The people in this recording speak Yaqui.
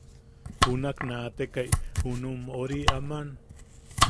Junak naatekai junum ori aman.